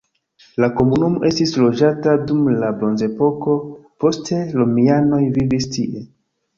La komunumo estis loĝata dum la bronzepoko, poste romianoj vivis tie.